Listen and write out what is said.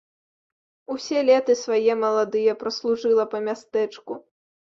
Усе леты свае маладыя праслужыла па мястэчку.